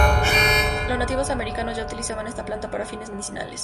Los nativos americanos ya utilizaban esta planta para fines medicinales.